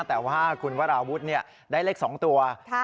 แต่ว่าคุณวราวุฒิได้เลข๒ตัว